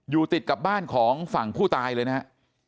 อยู่ติดกับบ้านของฝั่งผู้ตายเลยนะครับ